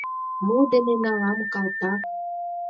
— Мо дене налам, калтак?